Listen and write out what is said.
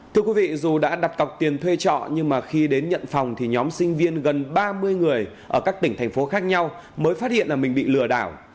thưa quý vị dù đã đặt cọc tiền thuê trọ nhưng mà khi đến nhận phòng thì nhóm sinh viên gần ba mươi người ở các tỉnh thành phố khác nhau mới phát hiện là mình bị lừa đảo